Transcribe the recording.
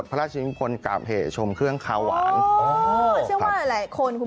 ข้างบัวแห่งสันยินดีต้อนรับทุกท่านนะครับ